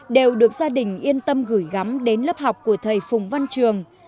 đều được gia đình yên tâm gửi gắm đến lớp học của thầy phùng văn trường